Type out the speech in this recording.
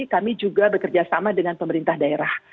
kami juga bekerja sama dengan pemerintah daerah